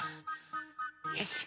よし。